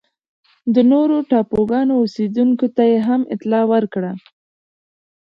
د نورو ټاپوګانو اوسېدونکو ته یې هم اطلاع ورکړه.